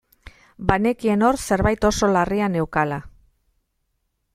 Banekien hor zerbait oso larria neukala.